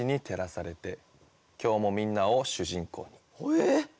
えっ？